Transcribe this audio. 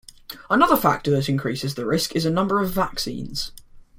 Another factor that increases the risk is a number of vaccines.